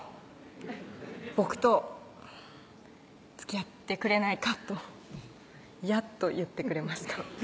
「僕とつきあってくれないか」とやっと言ってくれました